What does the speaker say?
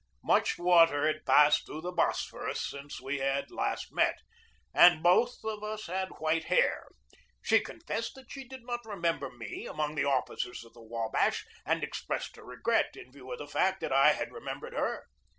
Much water had passed through the Bosphorus since we had last met, and both of us had white hair. She confessed that she did not remember me among the officers of the Wabash, and expressed her regret, in view of the fact that I had remembered her.